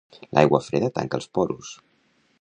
L'aigua freda tanca els porus.